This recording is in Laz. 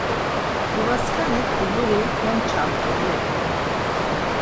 Babaskanik huzuri mekçamt̆ui do…